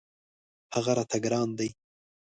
هغه راته ګران دی.